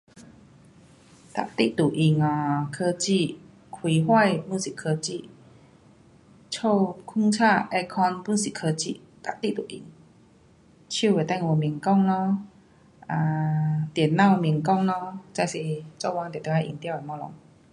每日都用啊科技，开火 pun 是科技，家睡醒 air-con, pun 是科技，每日都用。手的电话免讲咯，啊，电脑免讲咯，这是做工定得要用到的东西。